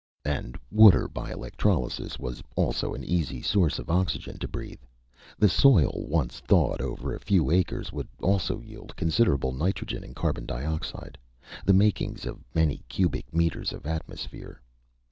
And water, by electrolysis, was also an easy source of oxygen to breathe.... The soil, once thawed over a few acres, would also yield considerable nitrogen and carbon dioxide the makings of many cubic meters of atmosphere.